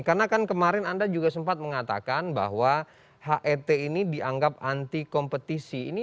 karena kan kemarin anda juga sempat mengatakan bahwa het ini dianggap anti kompetisi